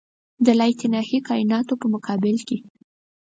د لایتناهي کایناتو په مقابل کې.